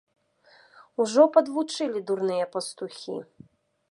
Ужо падвучылі дурныя пастухі!